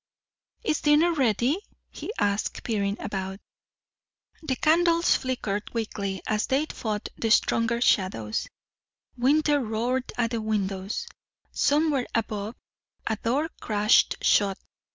"Is dinner ready?" he asked, peering about. The candles flickered weakly as they fought the stronger shadows; winter roared at the windows; somewhere above a door crashed shut.